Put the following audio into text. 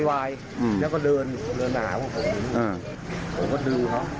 อ๋อหมายลักษณะขึ้นลำ